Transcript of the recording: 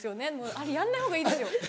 あれやんないほうがいいですよ。